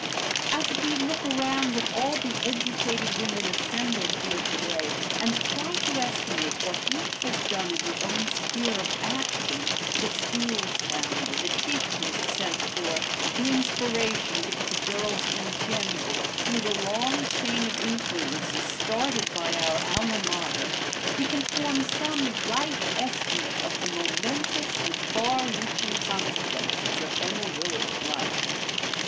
As we look around at all the educated women assembled here to day and try to estimate what each has done in her own sphere of action, the schools founded, the teachers sent forth, the inspiration given to girls in general, through the long chain of influences started by our alma mater, we can form some light estimate of the momentous and far reaching consequences of Emma Willard's life.